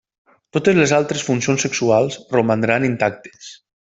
Totes les altres funcions sexuals romandran intactes.